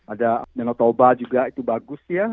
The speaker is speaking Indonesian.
ada menotoba juga itu bagus ya